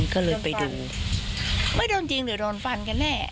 ก็เลยไปดูไม่โดนจริงหรือโดนฟันกันแน่